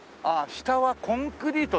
下はコンクリートだな。